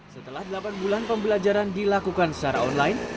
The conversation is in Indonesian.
setelah delapan bulan pembelajaran dilakukan secara online